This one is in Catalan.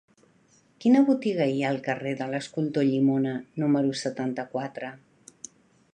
Quina botiga hi ha al carrer de l'Escultor Llimona número setanta-quatre?